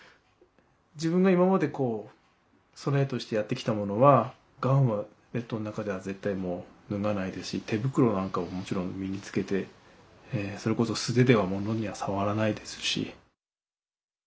自分が今まで備えとしてやってきたものはガウンはレッドの中では絶対もう脱がないですし手袋なんかももちろん身につけてそれこそ素手ではものには触らないですし。